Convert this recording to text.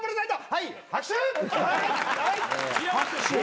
はい拍手！